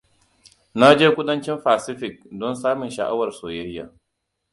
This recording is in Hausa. Na je Kudancin fasifik don samin sha'awar soyayya.